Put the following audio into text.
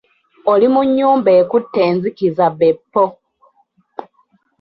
Oli mu nnyumba ekutte enzikiza be ppo!